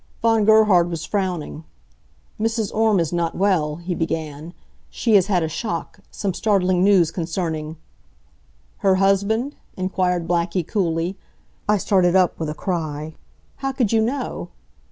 Von Gerhard was frowning. "Mrs. Orme is not well," he began. "She has had a shock some startling news concerning " "Her husband?" inquired Blackie, coolly. I started up with a cry. "How could you know?"